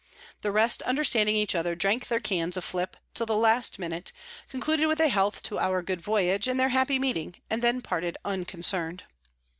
The rest understanding each other, drank their Cans of Flip till the last minute, concluded with a Health to our good Voyage, and their happy Meeting, and then parted unconcern'd.